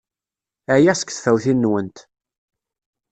Ɛyiɣ seg tfawtin-nwent!